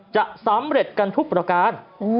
จะสำเร็จกันทุกประการ